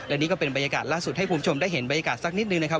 อันนี้ก็เป็นให้ผู้ชมได้เห็นบรรยากาศซักนิดนึงนะครับ